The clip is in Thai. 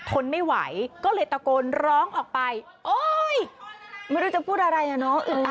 ทนไม่ไหวก็เลยตะโกนร้องออกไปโอ๊ยไม่รู้จะพูดอะไรอ่ะเนาะ